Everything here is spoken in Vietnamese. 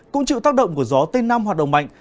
cũng chịu tác động của gió tây nam hoạt động mạnh